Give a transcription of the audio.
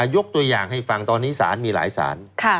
ยกตัวอย่างให้ฟังตอนนี้สารมีหลายสาร